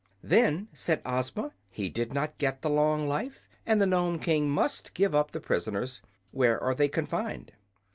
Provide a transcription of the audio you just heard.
"Then," said Ozma, "he did not get the long life, and the Nome King must give up the prisoners. Where are they confined?"